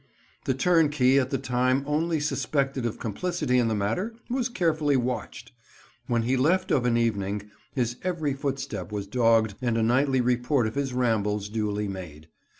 The turnkey, at the time only suspected of complicity in the matter, was carefully watched. When he left of an evening his every footstep was dogged, and a nightly report of his rambles duly made.